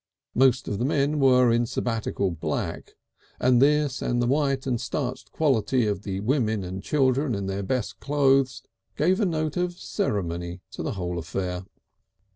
Most of the men were in Sabbatical black, and this and the white and starched quality of the women and children in their best clothes gave a note of ceremony to the whole affair.